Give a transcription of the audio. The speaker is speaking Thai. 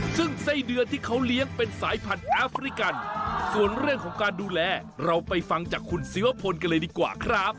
ซึ่งไส้เดือนที่เขาเลี้ยงเป็นสายพันธุ์แอฟริกันส่วนเรื่องของการดูแลเราไปฟังจากคุณศิวพลกันเลยดีกว่าครับ